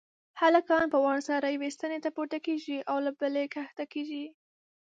هلکان په وار سره یوې ستنې ته پورته کېږي او له بلې کښته کېږي.